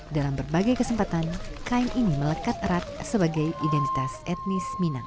dalam berbagai kesempatan kain ini melekat erat sebagai identitas etnis minang